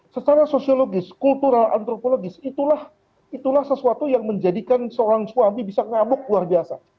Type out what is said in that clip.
secara sosiologis kultural antropologis itulah sesuatu yang menjadikan seorang suami bisa ngamuk luar biasa